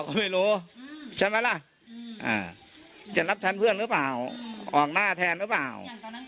อย่างตอนนั้นคุณตาได้ตัดเตือนหรือผลานไหม